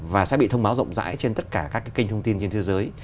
và sẽ bị thông báo rộng rãi trên tất cả các kênh thông tin trên thế giới